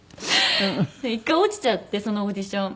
１回落ちちゃってそのオーディション。